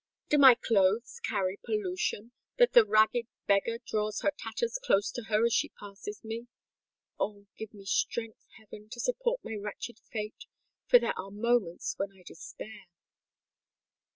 do my clothes carry pollution, that the ragged beggar draws her tatters close to her as she passes me? Oh! give me strength, heaven, to support my wretched fate; for there are moments when I despair!"